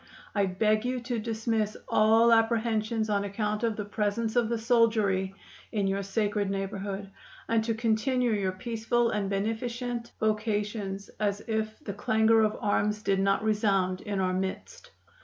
I beg you to dismiss all apprehensions on account of the presence of the soldiery in your sacred neighborhood, and to continue your peaceful and beneficent vocations as if the clangor of arms did not resound in our midst.